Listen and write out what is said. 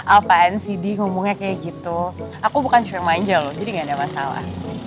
apaan sih di ngomongnya kayak gitu aku bukan cemaja loh jadi nggak ada masalah